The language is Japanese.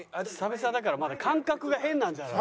久々だからまだ感覚が変なんじゃない？